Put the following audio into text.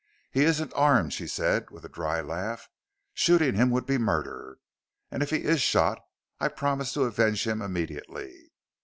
He isn't armed," she said, with a dry laugh; "shooting him would be murder, and if he is shot I promise to avenge him immediately."